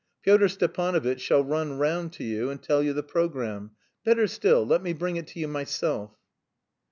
Pyotr Stepanovitch shall run round to you and tell you the programme. Better still, let me bring it to you myself."